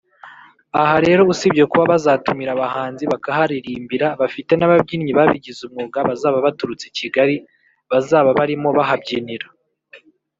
Aha rero usibye kuba bazatumira abahanzi bakaharirimbira bafite n’ababyinnyi babigize umwuga bazaba baturutse Kigali bazaba barimo bahabyinira